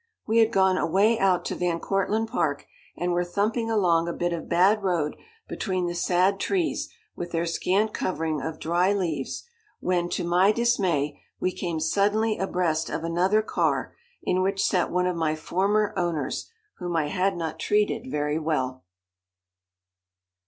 We had gone away out to Van Cortlandt Park, and were thumping along a bit of bad road between the sad trees with their scant covering of dry leaves, when, to my dismay, we came suddenly abreast of another car in which sat one of my former owners whom I had not treated very well.